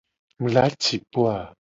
Mu la ci kpo o a?